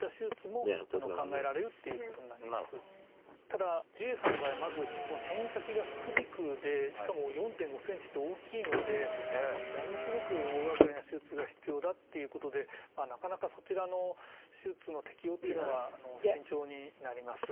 ただ氏家さんの場合はまずこの転移先が副鼻腔でしかも４．５ｃｍって大きいのでものすごく大がかりな手術が必要だっていうことでなかなかそちらの手術の適応というのは慎重になります。